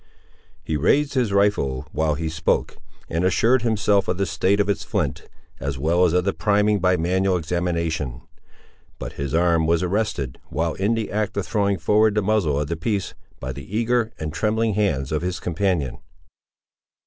He raised his rifle while he spoke, and assured himself of the state of its flint, as well as of the priming by manual examination. But his arm was arrested, while in the act of throwing forward the muzzle of the piece, by the eager and trembling hands of his companion.